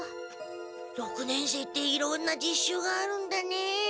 六年生っていろんな実習があるんだね。